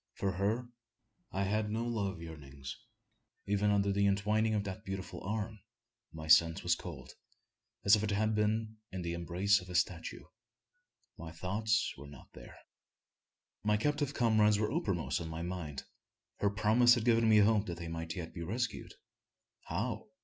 For her I had no love yearnings. Even under the entwining of that beautiful arm, my sense was as cold, as if I had been in the embrace of a statue. My thoughts were not there. My captive comrades were uppermost in my mind. Her promise had given me hope that they might yet be rescued. How?